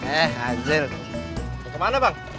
eh anjil mau kemana bang